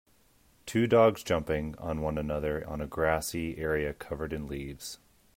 Two dogs jumping on one another on a grassy area covered in leaves.